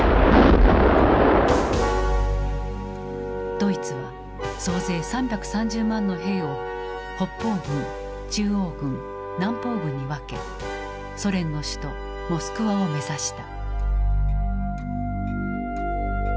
ドイツは総勢３３０万の兵を北方軍中央軍南方軍に分けソ連の首都モスクワを目指した。